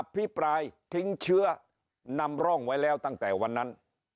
พิปรายทิ้งเชื้อนำร่องไว้แล้วตั้งแต่วันนั้น